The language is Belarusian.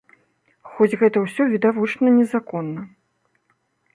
Хоць гэта ўсё відавочна незаконна.